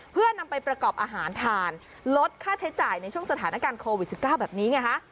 เพื่อนำไปประกอบอาหารทานลดค่าใช้จ่ายในช่วงสถานการณ์โควิด๑๙แบบนี้ไงฮะ